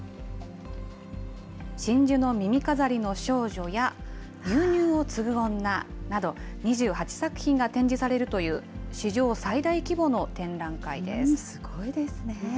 真珠の耳飾りの少女や、牛乳を注ぐ女など、２８作品が展示されるという、史上最大規模のすごいですね。